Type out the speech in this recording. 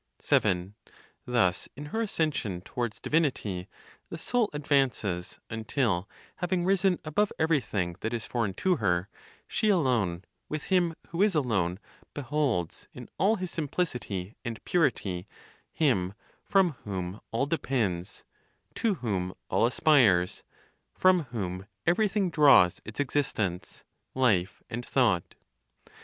7. Thus, in her ascension towards divinity, the soul advances until, having risen above everything that is foreign to her, she alone with Him who is alone, beholds, in all His simplicity and purity, Him from whom all depends, to whom all aspires, from whom everything draws its existence, life and thought.